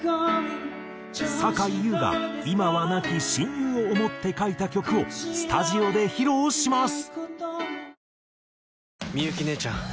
さかいゆうが今は亡き親友を想って書いた曲をスタジオで披露します。